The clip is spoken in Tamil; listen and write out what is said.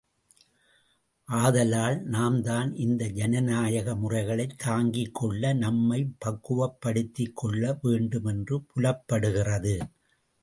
ஆதலால், நாம்தான் இந்த ஜனநாயக முறைகளைத் தாங்கிக் கொள்ள நம்மைப் பக்குவப் படுத்திக் கொள்ள வேண்டும் என்று புலப்படுகிறது.